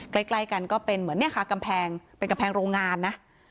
ใกล้กันก็เป็นเหมือนเนี่ยค่ะกำแพงเป็นกำแพงโรงงานนะ